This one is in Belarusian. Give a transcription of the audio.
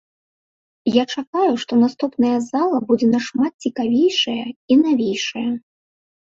Я чакаю, што наступная зала будзе нашмат цікавейшая і навейшая.